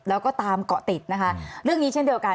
แล้วก็ตามเกาะติดนะคะเรื่องนี้เช่นเดียวกัน